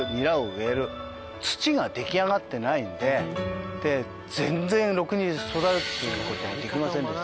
土が出来上がってないので全然ろくに育つ事ができませんでした。